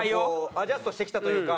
アジャストしてきたというか。